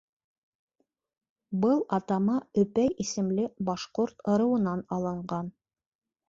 Был атама «Өпәй» исемле башҡорт ырыуынан алынған.